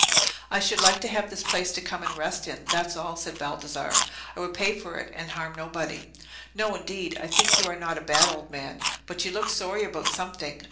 "I should like to have this place to come and rest in, that's all," said Baldassarre. "I would pay for it, and harm nobody." "No, indeed; I think you are not a bad old man. But you look sorry about something.